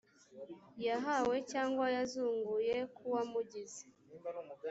yahawe cyangwa yazunguye k uwamugize